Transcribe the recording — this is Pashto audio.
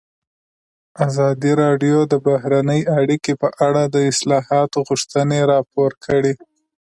ازادي راډیو د بهرنۍ اړیکې په اړه د اصلاحاتو غوښتنې راپور کړې.